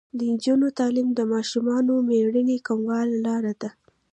د نجونو تعلیم د ماشومانو مړینې کمولو لاره ده.